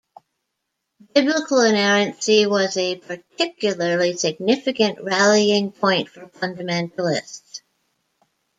Biblical inerrancy was a particularly significant rallying point for fundamentalists.